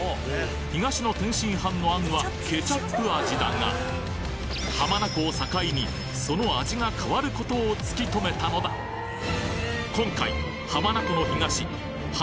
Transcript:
東の天津飯のあんはケチャップ味だが浜名湖を境にその味が変わることを突き止めたのだ今回浜名湖の東浜